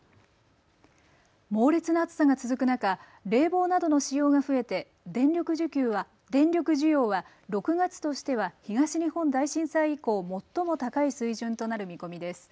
猛烈な暑さが続く中、冷房などの使用が増えて電力需要は６月としては東日本大震災以降、最も高い水準となる見込みです。